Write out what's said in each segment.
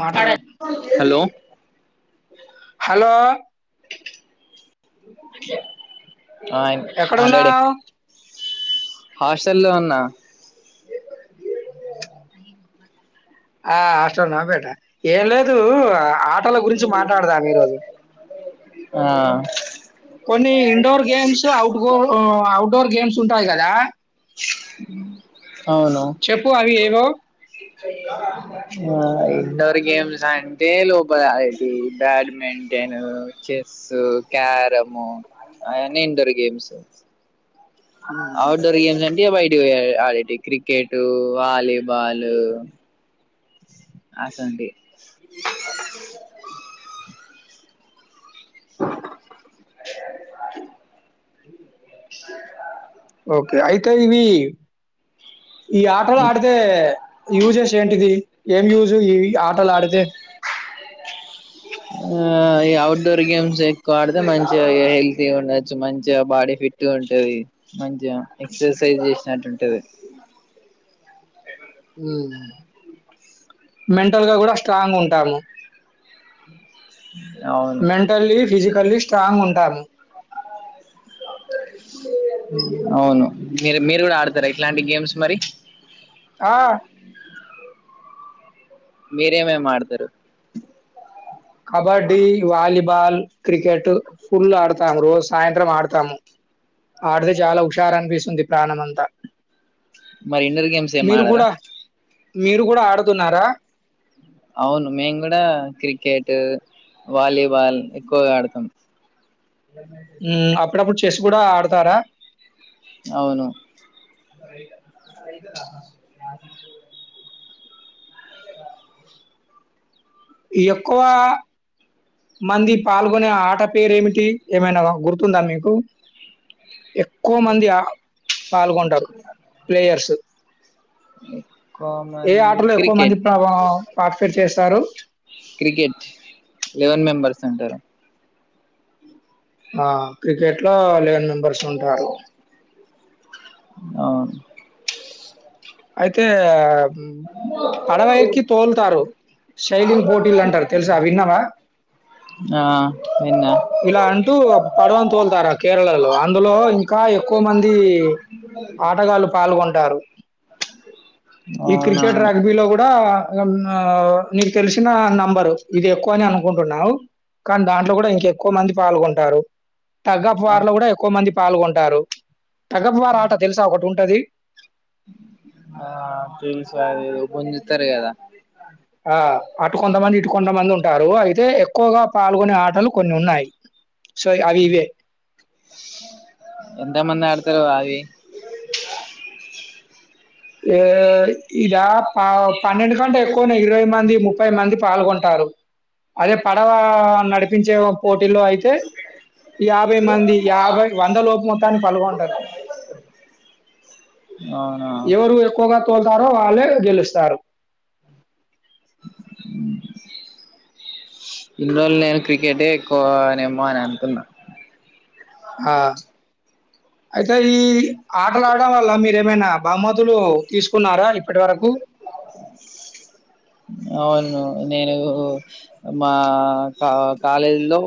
మాట్లాడ hello hello [inaudible] ఆ ఆ డాడీ ఎక్కడున్నావు హాస్టల్ లో ఉన్నా ఆ హాస్టల్నా బేట ఏం లేదు ఆటల గురించి మాట్లాడదాం ఈరోజు ఆ కొన్ని indoor games out Gor outdoor games ఉంటాయి కదా [inaudible] అవును చెప్పు అవి ఏవో ఆ ఇండోర్ గేమ్స్ అంటే లోపల బ్యాడ్మింటన్ చెస్ క్యారము అవన్ని ఇండోర్ గేమ్స్ మ్మ్. అవుట్డోర్ గేమ్స్ అంటే బయటి ఎక్కువగా ఆడేవి క్రికెట్ వాలీబాల్ అసొంటి డోర్ సౌండ్ ఓకే అయితే ఇవి ఈ ఆటలు ఆడితే యూజేస్ ఏంటిది ఏం యూస్ ఇవి ఆటలు ఆడితే ఆ అవుట్ డోర్ గేమ్స్ ఎక్కువ ఆడితే మంచిగా హెల్తీగా ఉండొచ్చు మంచిగా బాడీ ఫిట్గా ఉంటది మంచిగా ఎక్సర్సైజ్ చేసినట్టుంటది ఉమ్ మెంటల్ గా కూడా స్ట్రాంగ్ ఉంటాన్నాం అవును మెంటల్లీ ఫిజికల్లీ స్ట్రాంగ్ ఉంటాము అవును మీరు మీరు కూడా ఆడతారా ఇట్లాంటి గేమ్స్ మరి ఆ మీరేమేమి ఆడతారు కబడ్డీ వాలిబాల్ క్రికెట్ ఫుల్ ఆడతాము రోజు సాయంత్రం ఆడతాము ఆడితే చాలా హుషారు అనిపిస్తుంది ప్రాణం అంతా మరి ఇండోర్ గేమ్స్ ఏం మీరు ఆడరా కూడా మీరు కూడా ఆడుతున్నారా అవును మేము కూడా క్రికెట్ వాలీబాల్ ఎక్కువగా ఆడతాం ఎ మ చేజ హ్మ్. అప్పుడప్పుడు చెస్ కూడా ఆడతారా అవును ఎక్కువ మంది పాల్గొనే ఆట పేరేమిటి ఏమైనా గుర్తుందా మీకు ఎక్కువ మంది పాల్గొంటారు ప్లేయర్స్ ఎక్కువ ఏ మంది ఆటలో ఎక్కువ మంది క్రికెట్ పార్టిసిపేట్ చేస్ తరు క్రికెట్ లెవెన్ మెంబర్స్ అంటారు ఆ క్రికెట్ లో లెవెన్ మెంబర్స్ ఉంటారు అవున్ అయితే పడవ ఎక్కి తోలుతారు శైలింగ్ పోటీలు అంటారు తెలుసా విన్నావా ఆ విన్నా ఇలా అంటూ పడవని తోలుతారు కేరళలో అందులో ఇంకా ఎక్కువ మంది ఆటగాళ్ళ పాల్గొం టారు ఈ క్రికెట్ రాగ్బీ అవునా లో కూడా [unintelligible] నీకు తెలిసిన నంబరు ఇది ఎక్కువనే అనుకుంటున్నావు కానీ దాంట్లో కూడా ఇంకెక్కువ మంది పాల్గొంటారు టగ్గ్ ఆఫ్ వార్ లో కూడా ఎక్కువ మంది పాల్గొంటారు టగ్గ్ ఆఫ్ వార్ ఆట తెలుసా ఒకటుం టది గుంజుతారు కదా ఆ అటుకొంతమంది ఇటుకొంతమంది ఉంటారు అయితే ఎక్కువగా పాల్గొనే ఆటలు కొన్ని ఉన్నాయి ఎంతమంది ఆడతరు అవి ఏ ఇదా అవ్ పన్నెండు కంటే ఎక్కువనే ఇరవై మంది ముప్పై మంది పాల్గొం టారు అదే పడవ నడిపించే ఓ పోటీ లో అయితే యాభై మంది యాభై వంద లోపు మొత్తాన్ని పాల్గొంటారు అవునా ఎవరు ఎక్కువగా తోల్తారో వాళ్ళే గెలుస్తారు ఇన్ని రోజులు నేను క్రికెటే ఎక్కువ నెమ్మ అని అనుకున్నా ఆ అయితే ఈ ఆటలాడడం వల్ల మీరేమైనా బహుమతులు తీసుకున్నారా ఇప్పటివరకు అవును నేను మా తాత కాలేజీలో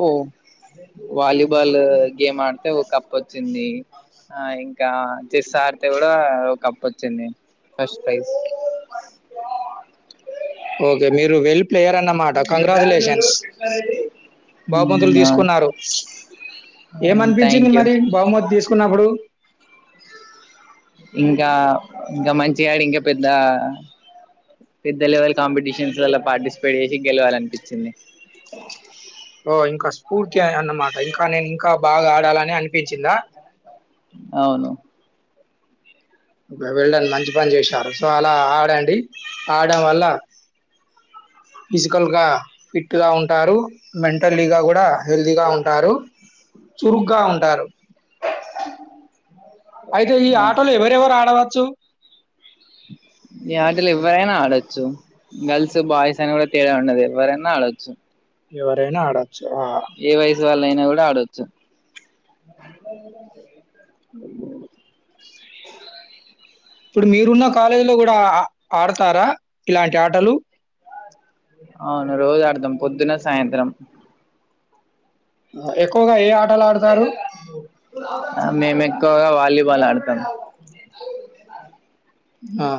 వాలిబాల్ గేమ్ ఆ ఆడీతే ఒక కప్పు వచ్చింది ఆ ఇంకా చెస్ ఆడితే కూడా ఒక కప్పు వచ్చింది ఫస్ట్ ప్రైజ్ ఓకే మీర్ వెల్ ప్లేయర్ అన్నమాట కంగ్రాచ్యులేషన్స్ బహుమతులు తీసుకున్నారు. ఏమనిపించింది థ్యాంక్ యూ మరి బహుమత్ తీసుకున్నప్పుడు ఇంకా ఇంకా మంచిగాడి ఇంకా పెద్ద పెద్ద లెవెల్ కాంపిటీషన్స్ లో పార్టిసిపేట్ చేసి గెలవాలనిపించింది. ఓ ఇంకా స్ఫూర్తి అన్నమాట ఇంకా నేను ఇంకా బాగా ఆడి కాలనే అనిపించిందా అవును ఒకే వెల్లడౌన్ మంచి పని చేసారు. సో అలా ఆడండి. ఆడం వల్ల, ఫిజికల్ గా ఫిట్ గా ఉంటారు మెంటల్లీగా కూడా హెల్తీగా ఉంటారు. చురుగ్గా ఉంటారు. అయితే ఈ ఆ ఆటలు ఎవరెవరు ఆడవచ్ చ్చు ఈ ఆటలు ఎవరైనా ఆడొచ్చు. గర్ల్స్, బాయ్స్, అని కూడా తేడా ఉండదు. ఎవ్వరైనా ఆడొచ్చు. ఎవరైనా ఆడ ఏ వయసు వాళ్ళ అయినా కూడ ఆడుచు ఇప్పుడు మీరున్న కాలేజీలో కూడా ఆ ఆడుతారా ఇలాంటి ఆటలు అవును రోజు ఆడ్తామ్ పొద్దున సాయంత్రం ఆ ఎక్కువగా ఏ ఆటలు ఆడతారు ఆ మేము ఎక్కువగా వాలీబాల్ ఆడతారు ఆ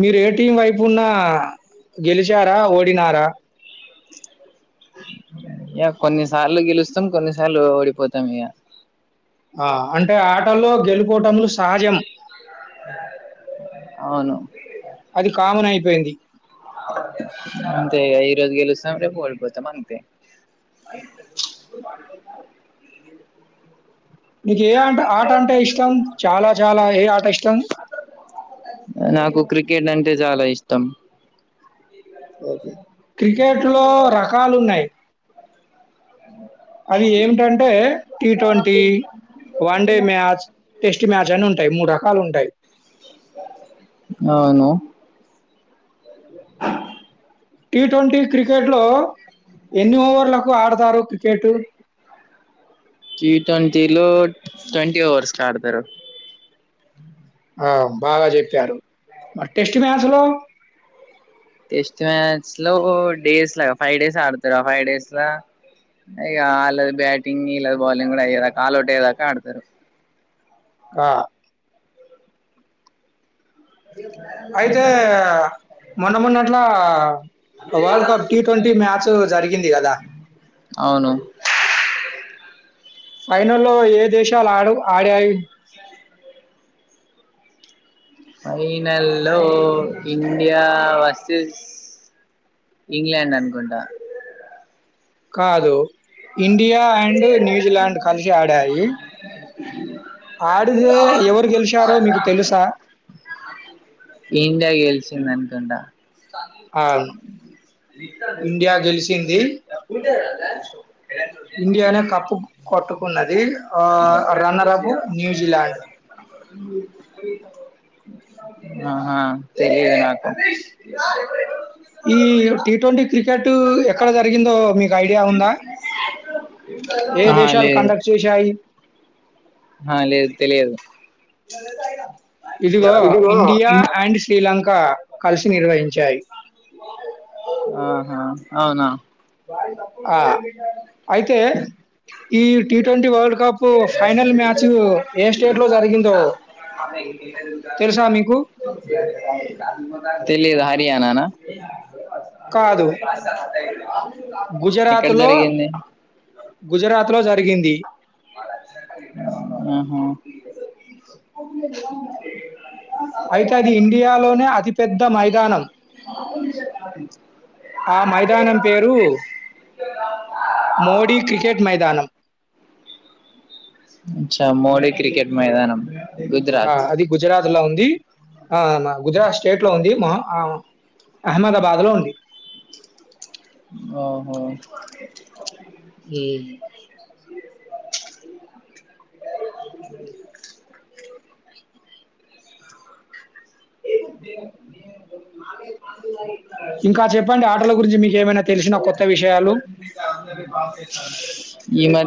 మీరు ఏ టీం వైపు ఉన్నా ఆ గెలిచారా ఓడినారా ఇక కొన్నిసార్లు గెలుస్తాం కొన్నిసార్లు ఓడిపోతాం ఇగ ఆ అంటే ఆటలో గెలుపు ఓటములు సహజం అవును అది కామన్ అయిపోయింది అంత ఈ రోజు గెలుస్తాం రేపు ఓడిపోతాం అంతే నీకు ఏ ఆట ఆట అంటే ఇష్టం చాలా చాలా ఏ ఆట ఇష్టం నాకు క్రికెట్ అంటే చాలా ఇష్టం ఓకే క్రికెట్ లో రకాలు ఉన్నాయి అవి ఏమిటంటే T twenty one day match test match అని ఉంటాయి మూడు రక కాలు ఉంటాయి అవును టి ట్వంటీ క్రికెట్ లో ఎన్ని ఓవర్లకు ఆడతారు క్రికెట్ టీ ట్వంటీలో ట్వంటీ ఓవర్స్ కి ఆడతారు ఆ బాగా చెప్పారు మరి టెస్ట్ మ్యాచ్ లో టెస్ట్ మ్యాచ్ లో డేస్ లా ఫైవ్ డేస్ ఆడతారు ఆ ఫైవ్ డేస్ ల ఇగా అలా బ్యాటింగ్ ఇలా బౌలింగ్ కూడా అయ్యేదాకా అల్లౌట్ అయ్యేదాకా ఆడతారు. ఆ అయితే మొన్న మొన్నట్లా world cup T twenty match జరిగింది కదా అవును ఫైనల్లో ఏ దేశాలు అడవ్ ఆడాయి. స [inaudible] ఫైనల్లో ఇండియా వర్సెస్ ఇంగ్లాండ్ అనుకుంటా కాదు ఇండియా అండ్ న్యూజిలాండ్ కలిసి ఆడాయి ఆడితే ఎవరు గెలిశారో మీకు తెలుసా చింది అనుకుంట అవును. ఇండియా గెలిసింది. [inaudible] [inaudible] ఇండియానే కప్పు కొట్టుకున్నది ఆ రన్నర్ అప్ న్యూజిలాండ్ ఆహా తెలీదు నాకు ఈ టి ట్వంటీ క్రి కెట్ ఎక్కడ జరిగిందో మీ ఏ ఆ దేశాలు లేదు కండక్ట్ చేశాయి ఆ లేదు తెలియదు ఇదిగో ఇండియా ఇదిగో అండ్ శ్రీలంక కలిసి నిర్వహి చాయ్ అహ అవున ఆ అయితే ఈ T twenty world cup final match ఏ స్టేట్ లో జరిగిందో తెలుసా మీకు తెలిదు హర్యాణనా కాదు ఇ [inaudible] ఎక్కడ గుజరాత్ లో జరిగింది గుజరాత్ లో జరిగింది అహ అయితే అది ఇండియాలోనే అతిపెద్ద మైదానం ఆ మైదానం పేరు మోడీ క్రికెట్ మైదానం ఛా మోడి క్రికెట్ మైదానం ఆ గుజరాత్ అది గుజరాత్ లో ఉంది ఆ గుజరాత్ స్టేట్ లో ఉంది మ అ అహ్మద బాద్ లో ఉంది ఓహో [inaudible] హ్మ్. [inaudible] ఇంకా చెప్పండి ఆటల గురించి మీకేమైనా తెలిసినా కొత్త విషయాలు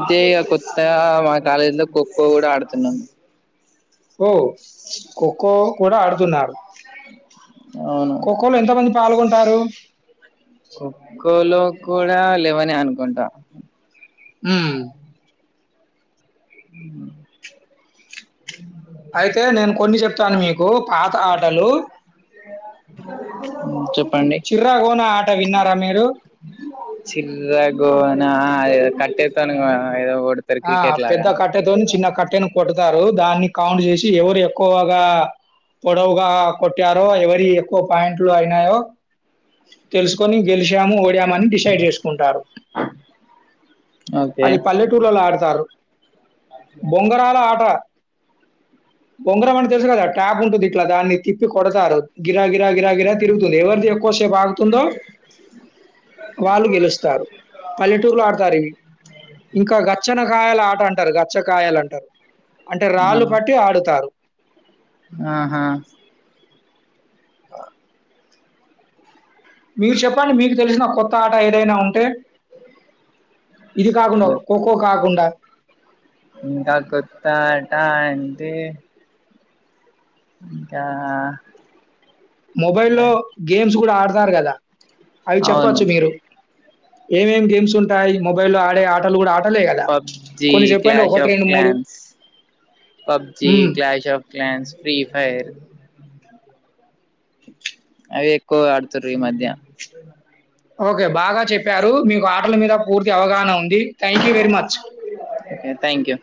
అంటే కొత్తగా మా కాలేజీ లో కొ కో గుడా ఆడుతున్నాము వో కో కో కూడా ఆడుతున్నారు అవును ఖోఖోలో ఎంతమంది పాల్గొంటారు? కొఖోలో కూడా లెవనే అనుకుంటా హుమ్ అయితే నేను కొన్ని చెప్తాను మీక్ చెప్పండి 'చిర్రగోన' ఆట విన్నారా మీరు? చిర్ర గోనా కట్టే కట్టెన్ ఆ పెద్ద కట్టెతోని చిన్న కట్టెను కొడతారు దాన్ని కౌంట్ చేసి ఎవరు ఎక్కువగా పొడవుగా కొట్టారో ఎవరి ఎక్కువ పాయింట్లు అయినాయో తెలుసుకొని గెలిశాము ఒడి పోయామని డిసైడ్ చేసుకుంటారు ఓకే అది పల్లెటూర్లలో ఆడతారు బొంగరాల ఆట బొంగరం అని తెలుసు కదా ట్యాగ్ ఉంటుంది ఇట్లా దాన్ని తిప్పి కొడతారు గిరాగి గిరాగిరా తిరుగుతుంది ఎవరిది ఎక్కువసేపు ఆగుతుందో వాళ్ళు గెలుస్తారు పల్లెటూర్లో ఆడతారు ఇవి గచ్చనకాయలు ఆట అంటారు గచ్చకాయలు అంటారు అంటే ఆ రాళ్ళు పట్టి ఆడుతారు ఆహా ఆ మీరు చెప్పండి మీకు తెలిసిన కొత్త ఆట ఏదైనా ఉంటే ఇది కాకుండా కోకో కాకుండా ఇంకా కొత్తాట అంటే ఇంకా మొబైల్ లో గేమ్స్ కూడా ఆడ్ తారు కదా అవి అవును చెప్పచ్చు మీరు ఏమేం గేమ్స్ ఉంటాయి మొబైల్ లో ఆడే ఆటలు కూడా ఆ PUBG clash of clans PUBG హ్మ్. Clash of clans free fire అవి ఎక్కువ ఆడుతుారు ఈ మధ్య ఓకే బాగా చెప్పారు మీకు ఆటల మీద పూర్తి అవగాహన ఉంది thank you very much. Thank you